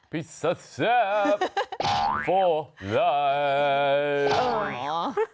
พิซซ่าแซฟแอนด์คาเฟ่ฟอร์ไลน์